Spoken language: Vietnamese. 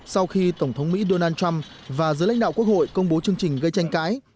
sau khi tổng thống mỹ donald trump và giới lãnh đạo quốc hội công bố chương trình gây tranh cãi